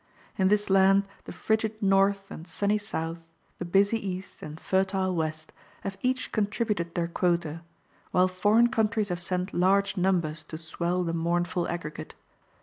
In this land the frigid North and sunny South, the busy East and fertile West have each contributed their quota, while foreign countries have sent large numbers to swell the mournful aggregate.